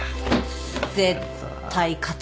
絶対勝つ